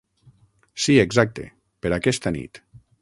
Si exacte, per aquesta nit.